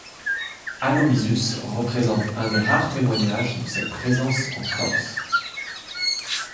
Alo-Bisucce représente un des rares témoignages de cette présence en Corse.